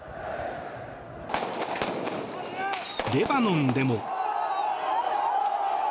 レバノンでも。